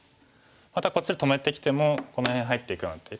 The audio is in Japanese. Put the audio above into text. またこっち止めてきてもこの辺入っていくような手。